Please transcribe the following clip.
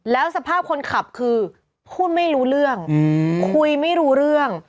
แล้วสภาพคนขับคือพูดไม่รู้เรื่องคุยไม่รู้เรื่อง